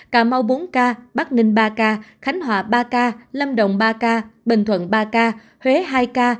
cà mau bốn ca bắc ninh ba ca khánh hòa ba ca lâm đồng ba ca bình thuận ba ca huế hai ca